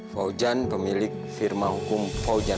faujan pemilik firma hukum fauzan